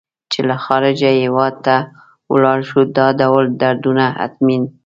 چې له خارجه هېواد ته ولاړ شو دا ډول دردونه حتمي دي.